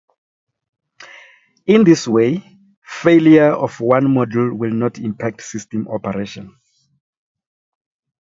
In this way, failure of one module will not impact system operation.